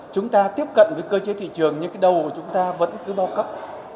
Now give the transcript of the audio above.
chúng ta tiếp cận với cơ chế thị trường như cái đầu chúng ta vẫn cứ bao cấp